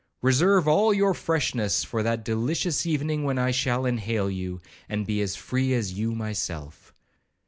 —Reserve all your freshness for that delicious evening when I shall inhale you, and be as free as you myself.'